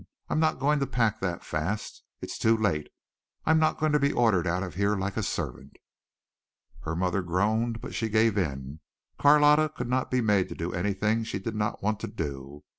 I'm not going to pack that fast. It's too late. I'm not going to be ordered out of here like a servant." Her mother groaned, but she gave in. Carlotta could not be made to do anything she did not want to do.